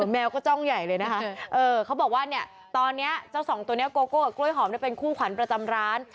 แมวก็จ้องใหญ่เลยนะคะเขาบอกว่าเนี่ยตอนนี้เจ้าสองตัวนี้โกโก้กับกล้วยหอมเป็นคู่ขวัญประจำร้าน